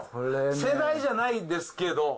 世代じゃないですけど。